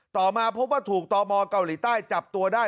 ต่อมาพบว่าถูกตมเกาหลีใต้จับตัวได้